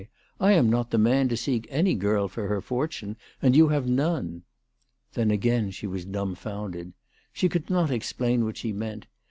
I am not the man to seek any girl for her fortune, and you have none." Then again she was dumfounded. She could not explain what she meant.